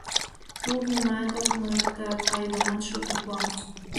Плуг нимаят ок нойыкта, пайдамат шуко пуа.